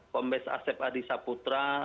pembes asep adi saputra